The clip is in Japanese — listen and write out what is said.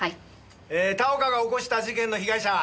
田岡が起こした事件の被害者は？